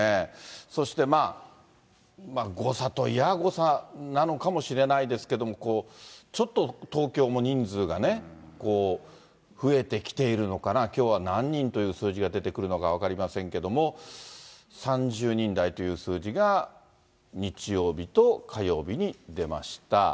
そして誤差といえば誤差なのかもしれないですけども、ちょっと、東京も人数がね、増えてきているのかな、きょうは何人という数字が出てくるのか分かりませんけれども、３０人台という数字が日曜日と火曜日に出ました。